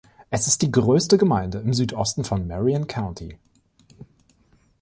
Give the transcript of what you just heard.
Es ist die größte Gemeinde im Südosten von Marion County.